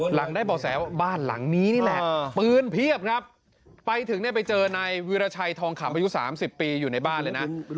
หลังได้บ่อแสว่าบ้านหลังนี้นี่แหละปืนเพียบครับไปถึงเนี่ยไปเจอนายวิราชัยทองคำอายุ๓๐ปีอยู่ในบ้านเลยนะ